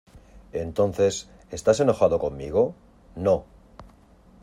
entonces, ¿ estás enojado conmigo? no.